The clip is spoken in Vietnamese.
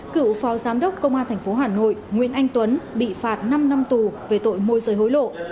cựu phó giám đốc công an tp hà nội nguyễn anh tuấn bị phạt năm năm tù về tội môi rời hối lộ